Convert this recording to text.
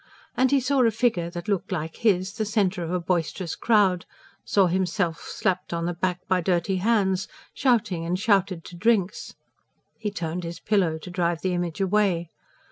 And he saw a figure that looked like his the centre of a boisterous crowd; saw himself slapped on the back by dirty hands, shouting and shouted to drinks. He turned his pillow, to drive the image away.